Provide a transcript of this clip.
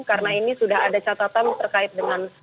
karena ini sudah ada catatan terkait dengan